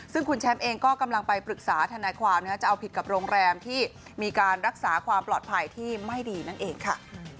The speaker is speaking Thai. ซึ่งคุณแชมป์เองก็กำลังไปปรึกษาทนายความจะเอาผิดกับโรงแรมที่มีการรักษาความปลอดภัยที่ไม่ดีนั่นเองค่ะ